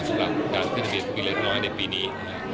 สำหรับการทดสอบลงทะเบียนผู้มีรายได้น้อยในปีนี้